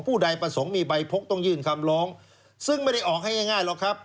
ใดประสงค์มีใบพกต้องยื่นคำร้องซึ่งไม่ได้ออกให้ง่ายหรอกครับ